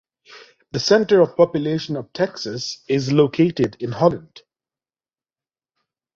The center of population of Texas is located in Holland.